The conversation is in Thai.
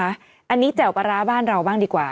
อันนี้แจ่วปลาร้าบ้านเราบ้างดีกว่า